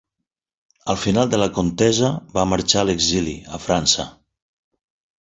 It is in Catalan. Al final de la contesa va marxar a l'exili a França.